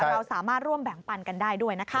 เราสามารถร่วมแบ่งปันกันได้ด้วยนะคะ